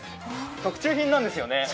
特注品なんですよね。